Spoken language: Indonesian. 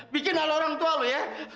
bikin hal orang tua lu ya